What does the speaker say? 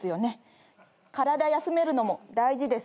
体休めるのも大事ですよ。